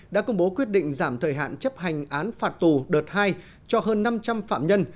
đã công bố quyết định giảm thời hạn chấp hành án phạt tù đợt hai cho hơn năm trăm linh phạm nhân